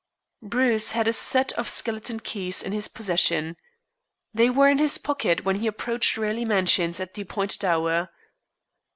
Bruce had a set of skeleton keys in his possession. They were in his pocket when he approached Raleigh Mansions at the appointed hour.